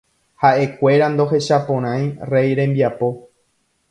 Ha'ekuéra ndohechaporãi rey rembiapo.